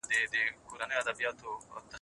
سياسي اختلافات بايد تل د خبرو له لاري حل سي.